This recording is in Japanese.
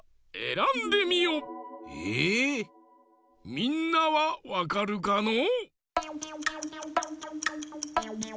みんなはわかるかのう？